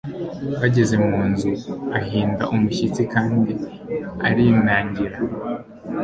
Bageze mu nzu, ahinda umushyitsi kandi arinangira